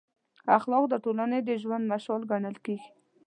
اخلاق د ټولنې د ژوند مشال ګڼل کېږي.